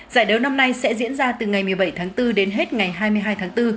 giải đấu năm nay sẽ diễn ra từ ngày một mươi bảy tháng bốn đến hết ngày hai mươi hai tháng bốn